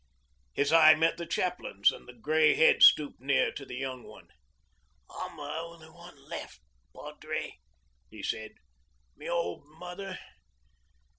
His eye met the chaplain's, and the grey head stooped near to the young one. 'I'm the only one left, padre,' he said. 'My old mother.